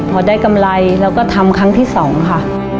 พอได้กำไรเราก็ทำครั้งที่๒ค่ะ